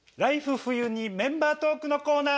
冬．２」メンバートークのコーナー！